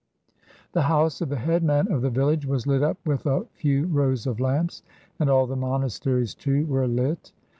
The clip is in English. The house of the headman of the village was lit up with a few rows of lamps, and all the monasteries, too, were lit.